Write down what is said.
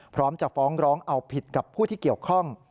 พร้อมจะฟ้องร้องเอาผิดกับผู้ที่เกี่ยวข้อง